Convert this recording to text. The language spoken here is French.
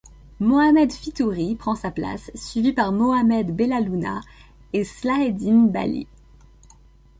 Mohamed Fitouri prend sa place, suivi par Mohamed Bellalouna et Slaheddine Baly.